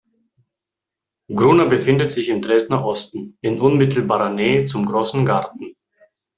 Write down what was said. Gruna befindet sich im Dresdner Osten in unmittelbarer Nähe zum Großen Garten.